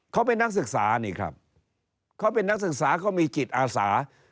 เขาเป็นนักศึกษานี่ครับเขาเป็นนักศึกษาเขามีจิตอาสา